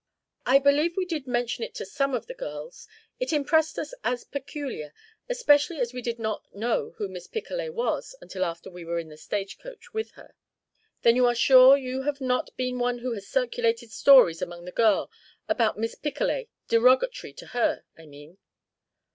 "I I believe we did mention it to some of the girls. It impressed us as peculiar especially as we did not know who Miss Picolet was until after we were in the stage coach with her." "Then you are sure you have not been one who has circulated stories among the girls about Miss Picolet derogatory to her, I mean?"